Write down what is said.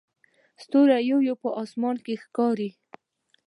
ستوري یو یو په اسمان کې راښکاري.